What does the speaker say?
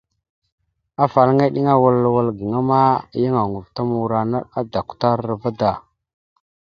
Afalaŋa eɗeŋa awal wal gaŋa ma, yan oŋgov ta morara naɗ a duktar da.